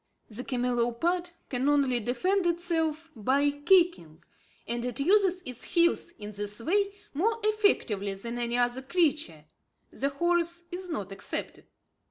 The camelopard can only defend itself by kicking; and it uses its heels in this way more effectively than any other creature, the horse not excepted.